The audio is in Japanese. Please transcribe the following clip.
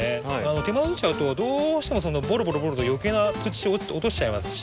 手間取っちゃうとどうしてもボロボロボロボロと余計な土落としちゃいますし。